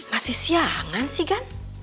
masih siangan sih gan